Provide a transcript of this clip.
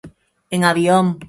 En avión.